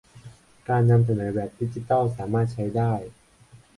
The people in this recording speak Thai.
การนำเสนอแบบดิจิทัลสามารถใช้ได้